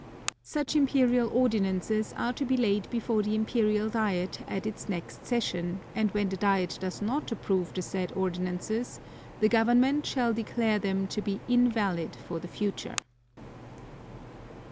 (2) Such Imperial Ordinances are to be laid before the Imperial Diet at its next session, and when the Diet does not approve the said Ordinances, the Government shall declare them to be invalid for the future.